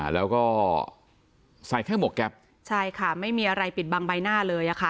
แล้วก็ใส่แค่หมวกแก๊ปใช่ค่ะไม่มีอะไรปิดบังใบหน้าเลยค่ะ